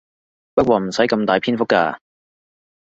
不過唔使咁大篇幅㗎